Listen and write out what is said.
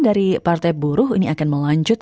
dari partai buruh ini akan berubah